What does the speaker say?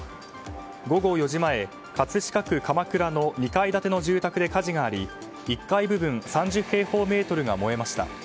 午後４時前、葛飾区鎌倉の２階建ての住宅で火事があり１階部分、３０平方メートルが燃えました。